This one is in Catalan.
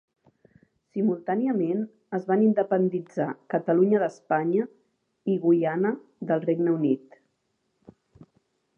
Simultàniament, es van independitzar Catalunya d'Espanya i Guyana del Regne Unit.